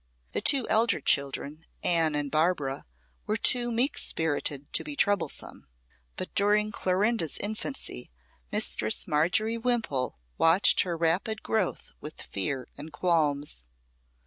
The two elder children, Anne and Barbara, were too meek spirited to be troublesome; but during Clorinda's infancy Mistress Margery Wimpole watched her rapid growth with fear and qualms.